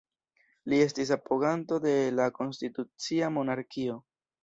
Li estis apoganto de la konstitucia monarkio.